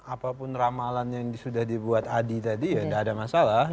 apapun ramalan yang sudah dibuat adi tadi ya tidak ada masalah